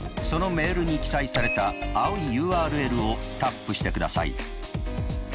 そのメールに記載された青いＵＲＬをタップしてください。